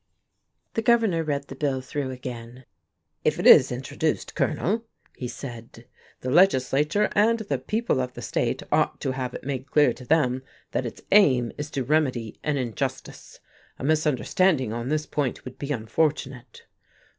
The Governor read the bill through again. "If it is introduced, Colonel," he said, "the legislature and the people of the state ought to have it made clear to them that its aim is to remedy an injustice. A misunderstanding on this point would be unfortunate."